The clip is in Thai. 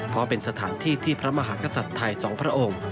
เพราะเป็นสถานที่ที่พระมหากษัตริย์ไทยสองพระองค์